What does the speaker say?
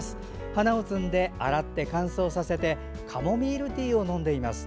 花を摘んで洗って乾燥させてカモミールティーを飲んでいます。